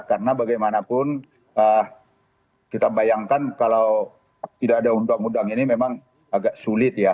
karena bagaimanapun kita bayangkan kalau tidak ada undang undang ini memang agak sulit ya